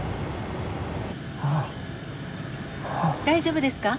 大丈夫ですか？